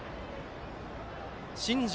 新庄